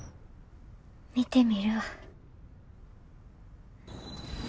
見てみるわ。